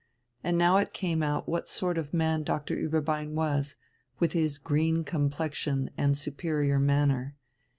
And now it came out what sort of man Doctor Ueberbein was, with his green complexion and superior manner.